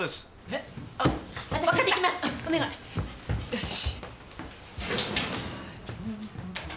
よし。